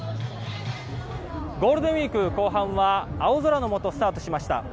ゴールデンウィーク後半は青空のもとスタートしました。